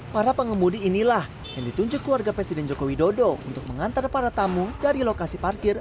para pengemudi inilah yang ditunjuk keluarga presiden joko widodo untuk mengantar para tamu dari lokasi parkir